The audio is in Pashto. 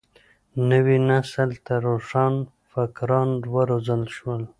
نوي نسل ته روښان فکران وروزل شول.